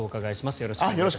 よろしくお願いします。